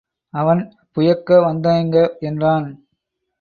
அவன், புயக்க வந்தேங்க—என்றான்.